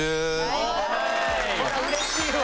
こりゃうれしいわ。